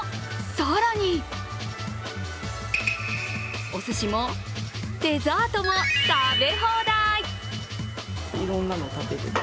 更におすしも、デザートも食べ放題！